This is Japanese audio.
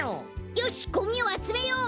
よしゴミをあつめよう！